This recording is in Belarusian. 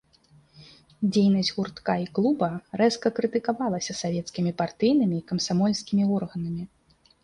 Дзейнасць гуртка і клуба рэзка крытыкавалася савецкімі партыйнымі і камсамольскімі органамі.